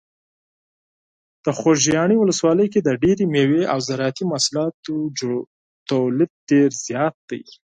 د خوږیاڼي ولسوالۍ کې د ډیری مېوې او زراعتي محصولاتو تولید ډیر زیات دی.